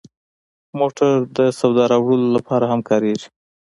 موټر د سودا راوړلو لپاره هم کارېږي.